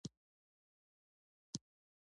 ډېرې مڼې مې وخوړلې!